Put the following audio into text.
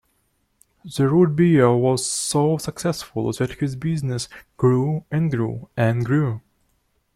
The root beer was so successful, that his business grew, and grew, and grew!